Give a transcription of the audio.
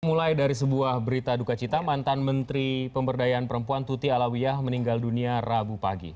mulai dari sebuah berita duka cita mantan menteri pemberdayaan perempuan tuti alawiyah meninggal dunia rabu pagi